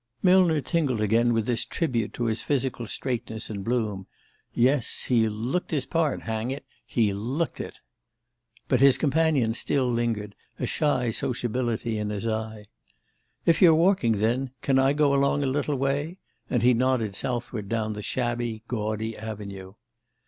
Millner tingled again with this tribute to his physical straightness and bloom. Yes, he looked his part, hang it he looked it! But his companion still lingered, a shy sociability in his eye. "If you're walking, then, can I go along a little way?" And he nodded southward down the shabby gaudy avenue.